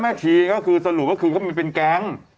แม่ชียังไงคือแสดงว่าก็ไม่เป็นแกง